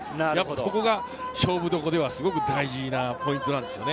ここが勝負どころではすごく大事なポイントなんです。